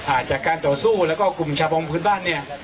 อาจจะการต่อสู้แล้วก็กลุ่มชะพรงค์ขึ้นบ้านเนี่ย